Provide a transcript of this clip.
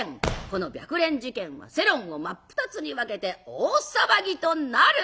この白蓮事件は世論を真っ二つに分けて大騒ぎとなる。